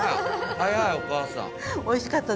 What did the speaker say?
早いお母さん。